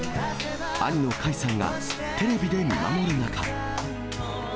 兄の魁さんが、テレビで見守る中。